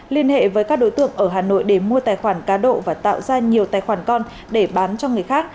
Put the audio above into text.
liên hệ với các đối tượng ở hà nội để mua tài khoản cá độ và tạo ra nhiều tài khoản con để bán cho người khác